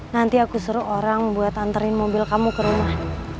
nanti aku suruh orang buat anterin mobil kamu ke rumah